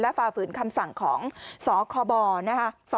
ฝ่าฝืนคำสั่งของสคบนะคะ